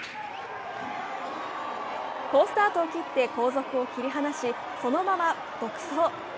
好スタートを切って後続を引き離しそのまま独走。